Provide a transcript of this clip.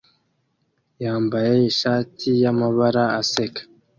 Yambaye ishati y'amabara aseka